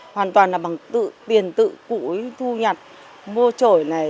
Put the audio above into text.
hoàn toàn là bằng tiền tự cụ thu nhặt mua trổi này